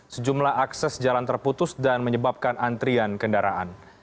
sejumlah akses jalan terputus dan menyebabkan antrian kendaraan